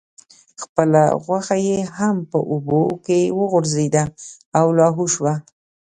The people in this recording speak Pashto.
خپله غوښه یې هم په اوبو کې وغورځیده او لاهو شوه.